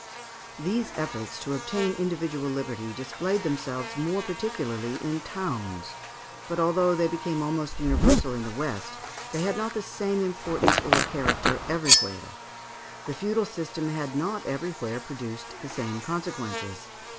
] These efforts to obtain individual liberty displayed themselves more particularly in towns; but although they became almost universal in the west, they had not the same importance or character everywhere. The feudal system had not everywhere produced the same consequences.